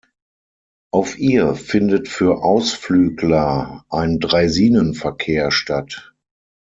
Auf ihr findet für Ausflügler ein Draisinenverkehr statt.